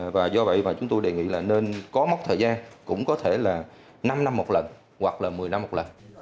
và do vậy mà chúng tôi đề nghị là nên có mốc thời gian cũng có thể là năm năm một lần hoặc là một mươi năm một lần